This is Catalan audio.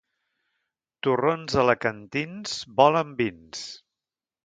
Torrons alacantins volen vins.